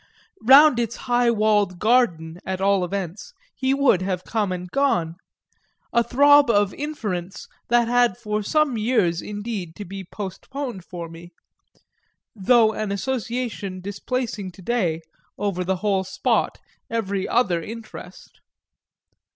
Round its high walled garden at all events he would have come and gone a throb of inference that had for some years indeed to be postponed for me; though an association displacing to day, over the whole spot, every other interest.